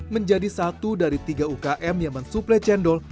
menjadi satu dari tiga ukm yang mensuplai cendol